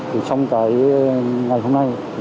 trong ngày hôm nay